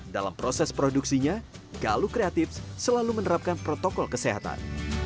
dalam proses produksinya galuk kreatif selalu menerapkan protokol kesehatan